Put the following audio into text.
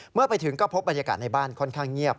เมื่อไปถึงก็พบบรรยากาศในบ้านค่อนข้างเงียบ